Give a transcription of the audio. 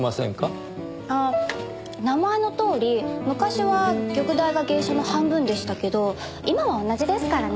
ああ名前のとおり昔は玉代が芸者の半分でしたけど今は同じですからね。